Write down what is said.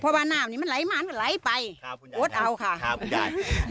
เพราะว่าน้ำนี้มันไหลมามันไหลไปครับคุณโอ๊ตเอาค่ะครับคุณยาย